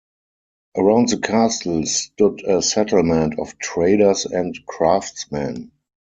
Around the castle stood a settlement of traders and craftsmen.